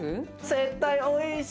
絶対おいしい！